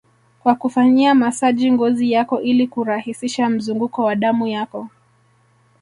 kwa kufanyia masaji ngozi yako ili kurahisisha mzunguko wa damu yako